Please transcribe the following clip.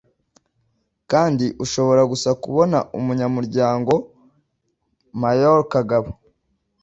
Kandi ushobora gusa kubona umunyamuryango Mayor Kagabo